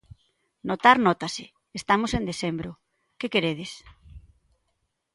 Notar, nótase, estamos en decembro, que queredes?